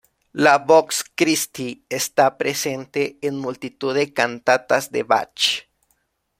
La "vox Christi" está presente en multitud de cantatas de Bach.